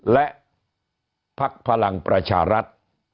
และพักพลังประชารัฐ